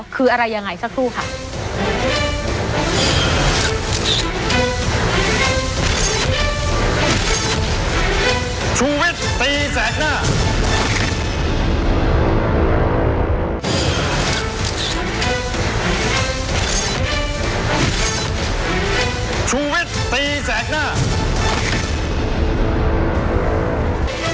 คืออะไรยังไงสักครู่ค่ะ